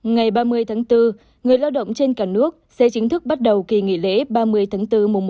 ngày ba mươi tháng bốn người lao động trên cả nước sẽ chính thức bắt đầu kỳ nghỉ lễ ba mươi tháng bốn mùa một tháng năm